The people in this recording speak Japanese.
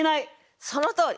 そのとおり。